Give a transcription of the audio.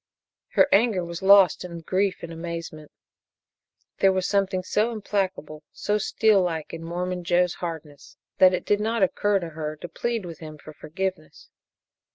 Her anger was lost in grief and amazement. There was something so implacable, so steel like in Mormon Joe's hardness that it did not occur to her to plead with him for forgiveness.